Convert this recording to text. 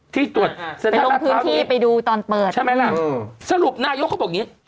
ที่ตรวจสถานท้าเท้าตรงนี้ใช่ไหมล่ะสรุปนายกเขาบอกอย่างนี้